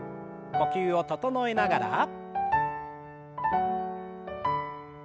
呼吸を整えながら。